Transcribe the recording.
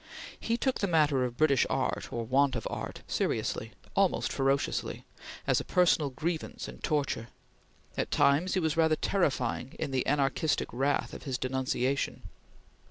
He took the matter of British art or want of art seriously, almost ferociously, as a personal grievance and torture; at times he was rather terrifying in the anarchistic wrath of his denunciation.